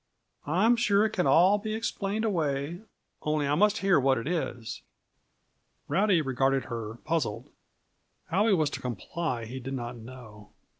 I'm sure it can all be explained away, only I must hear what it is." Rowdy regarded her, puzzled. How he was to comply he did not know.